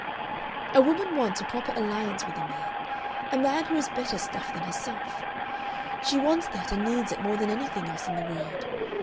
"A woman wants a proper alliance with a man, a man who is better stuff than herself. She wants that and needs it more than anything else in the world.